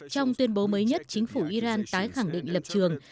trong tuyên bố mới nhất chính phủ iran tái khẳng định lập trường